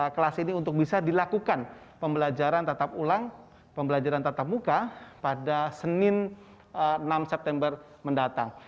kelas ini untuk bisa dilakukan pembelajaran tatap ulang pembelajaran tatap muka pada senin enam september mendatang